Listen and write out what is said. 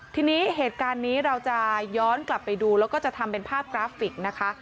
ทีนี้เหตุการณ์นี้เราจะย้อนกลับไปดูแล้วก็จะทำเป็นภาพกราฟิกนะคะ